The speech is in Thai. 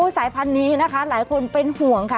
สายพันธุ์นี้นะคะหลายคนเป็นห่วงค่ะ